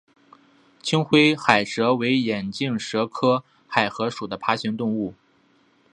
青灰海蛇为眼镜蛇科海蛇属的爬行动物。